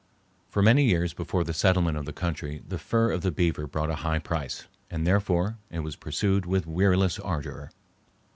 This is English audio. For many years before the settlement of the country the fur of the beaver brought a high price, and therefore it was pursued with weariless ardor.